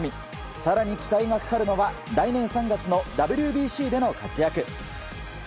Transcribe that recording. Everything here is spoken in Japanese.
更に期待がかかるのは来年３月のＷＢＣでの活躍。